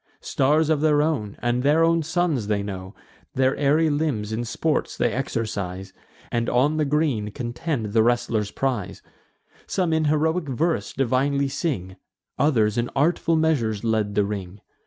Stars of their own, and their own suns, they know; Their airy limbs in sports they exercise, And on the green contend the wrestler's prize. Some in heroic verse divinely sing; Others in artful measures led the ring.